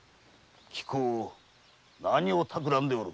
貴公何をたくらんでおる？